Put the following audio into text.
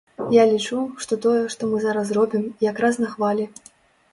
Я лічу, што тое, што мы зараз робім, як раз на хвалі.